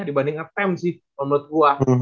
dibanding ngetem sih menurut gua